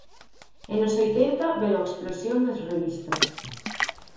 E nos oitenta veu a explosión das revistas.